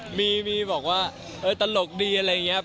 ก็มีมีบอกว่าตลกดีอะไรอย่างเงี้ย